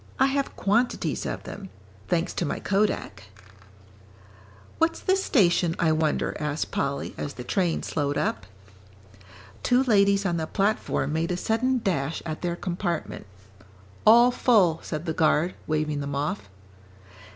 I have quantities of them thanks to my kodak." "What's this station, I wonder?" asked Polly, as the train slowed up. Two ladies on the platform made a sudden dash at their compartment. "All full," said the guard, waving them off.